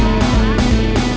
udah bocan mbak